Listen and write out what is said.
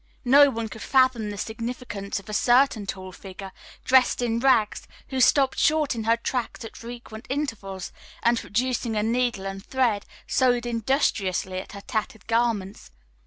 No one could fathom the significance of a certain tall figure, dressed in rags, who stopped short in her tracks at frequent intervals, and, producing a needle and thread, sewed industriously at her tattered garments.